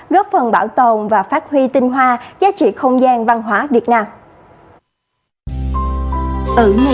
góp phần bảo tồn và phát huy tinh hoa giá trị không gian văn hóa việt nam